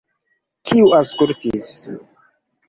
Kiu aŭskultis?